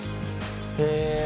へえ。